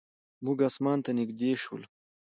موږ اسمان ته نږدې شولو.